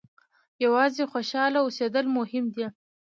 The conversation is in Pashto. یوازې خوشاله اوسېدل مهم دي.